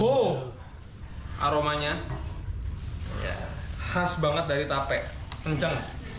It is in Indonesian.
uh aromanya khas banget dari tape kenceng